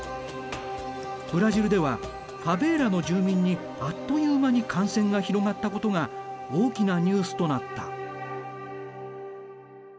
ブラジルではファベーラの住民にあっという間に感染が広がったことが大きなニュースとなった。